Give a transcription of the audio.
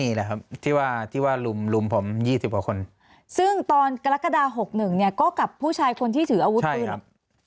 นี่แหละครับที่ว่าที่ว่าลุมผม๒๐กว่าคนซึ่งตอนกรกฎา๖๑เนี่ยก็กับผู้ชายคนที่ถืออาวุธปืน